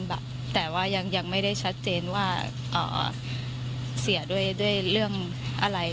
แต่ว่ายังไม่ได้ชัดเจนว่าเสียด้วยเรื่องอะไร